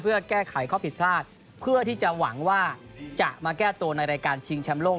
เพื่อแก้ไขข้อผิดพลาดเพื่อที่จะหวังว่าจะมาแก้ตัวในรายการชิงแชมป์โลก